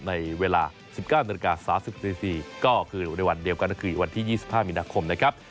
ในเวลา๑๙นาฬิกา๓๐นาทีก็คือในวันเดียวกันก็คือวันที่๒๕มีนาคมนะครับ